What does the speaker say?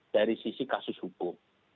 dari sisi kasus hukum